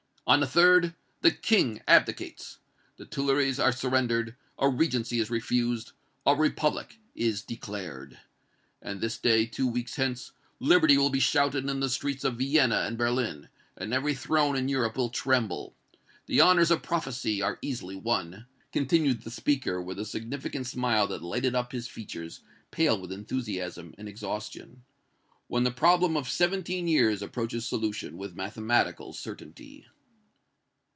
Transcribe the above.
On the third, the King abdicates! the Tuileries are surrendered! a Regency is refused! a Republic is declared! And this day, two weeks hence, liberty will be shouted in the streets of Vienna and Berlin, and every throne in Europe will tremble! The honors of prophecy are easily won," continued the speaker, with a significant smile that lighted up his features, pale with enthusiasm and exhaustion, "when the problem of seventeen years approaches solution with mathematical certainty!"